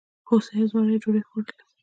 هوسۍ او زمري ډوډۍ خوړلې؟